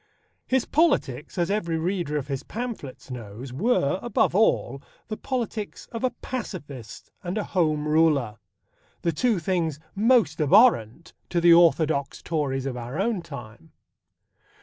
His politics, as every reader of his pamphlets knows, were, above all, the politics of a pacifist and a Home Ruler the two things most abhorrent to the orthodox Tories of our own time.